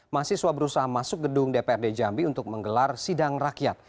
mahasiswa berusaha masuk gedung dprd jambi untuk menggelar sidang rakyat